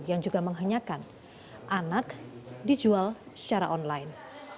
yang juga menghenyakan anak dijual secara online